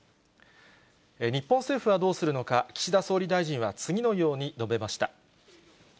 日本政府はどうするのか、岸田総理大臣は次のように述べました。